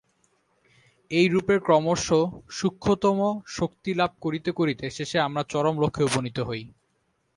এইরূপে ক্রমশ সূক্ষ্মতম শক্তি লাভ করিতে করিতে শেষে আমরা চরম লক্ষ্যে উপনীত হই।